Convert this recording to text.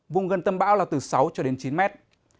vùng gần tâm bão là từ sáu cho đến chín mét